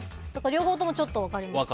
両方ともちょっと分かります。